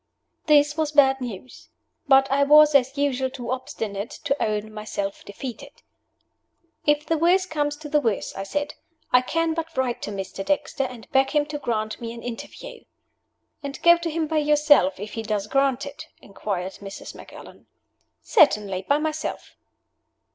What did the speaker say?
This was bad news. But I was, as usual, too obstinate to own myself defeated. "If the worst comes to the worst," I said, "I can but write to Mr. Dexter, and beg him to grant me an interview." "And go to him by yourself, if he does grant it?" inquired Mrs. Macallan. "Certainly. By myself."